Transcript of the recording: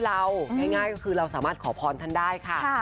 เราง่ายก็คือเราสามารถขอพรทำได้ค่ะค่ะ